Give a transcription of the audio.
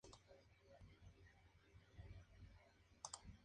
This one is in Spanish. Su territorio es fronterizo con la región del Altiplano de Togo.